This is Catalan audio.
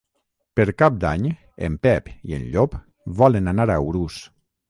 Per Cap d'Any en Pep i en Llop volen anar a Urús.